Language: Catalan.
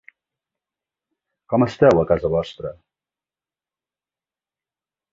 Com esteu, a casa vostra?